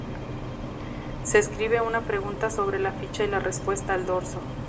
Se escribe una pregunta sobre la ficha y la respuesta al dorso.